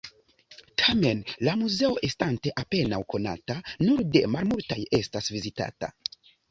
Tamen la muzeo, estante apenaŭ konata, nur de malmultaj estas vizitata.